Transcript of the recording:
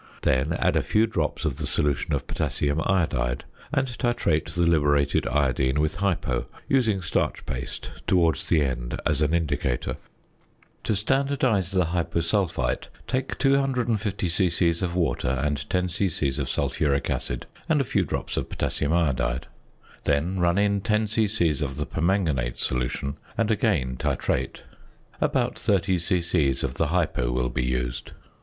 Then add a few drops of the solution of potassium iodide, and titrate the liberated iodine with "hypo," using starch paste towards the end as an indicator. To standardise the hyposulphite, take 250 c.c. of water and 10 c.c. of sulphuric acid, and a few drops of potassium iodide; then run in 10 c.c. of the "permanganate" solution, and again titrate; about 30 c.c. of the "hypo" will be used.